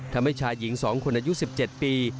ทำให้ชายหญิง๒คนอายุ๑๗ปี